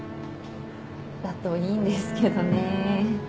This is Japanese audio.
だといいんですけどね。